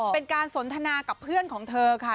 เป็นการสนทนากับเพื่อนของเธอค่ะ